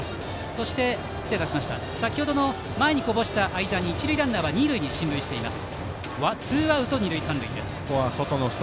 そして先ほどの前にこぼした間に一塁ランナーは二塁に進塁しています。